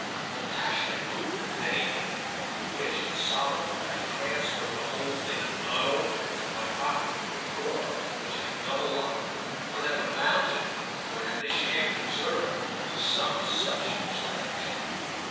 The passionate movement, at any rate, with which, in solitude, I transferred the whole thing, unopened, from my pocket to a drawer which I double locked would have amounted, for an initiated observer, to some such pledge.